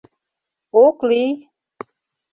— Ок лий!